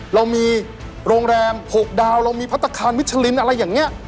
เรามีโรงแรม๖ดาวเรามีพัฒนาคารมิชลินอะไรอย่างนี้